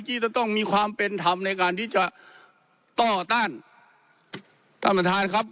ที่จะต้องมีความเป็นธรรมในการที่จะต่อต้านท่านประธานครับ